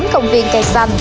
chín công viên cây xanh